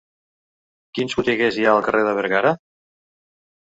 Quines botigues hi ha al carrer de Bergara?